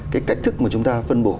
cái cách thức mà chúng ta phân bổ